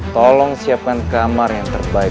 tolong siapkan kamar yang terbaik